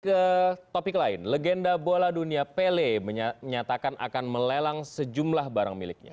ke topik lain legenda bola dunia pele menyatakan akan melelang sejumlah barang miliknya